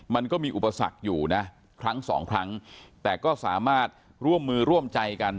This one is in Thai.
มันก็มีอุปสรรคอยู่นะครั้งสองครั้งแต่ก็สามารถร่วมมือร่วมใจกัน